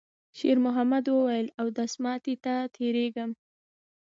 شېرمحمد وویل: «اودس ماتی ته تېرېږم.»